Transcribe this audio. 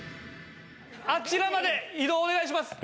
あちらまで移動お願いします。